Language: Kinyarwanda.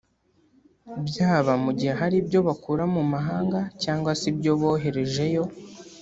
byaba mu gihe hari ibyo bakura mu mahanga cyangwa se ibyo boherejeyo